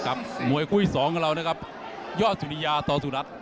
มวยกุ้งอยู่ที่สองย่อสุดยาต่อสุรรัส